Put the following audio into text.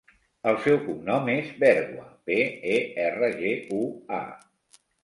El seu cognom és Bergua: be, e, erra, ge, u, a.